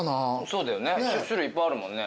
そうだよね種類いっぱいあるもんね。